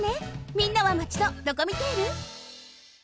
みんなはマチのドコミテール？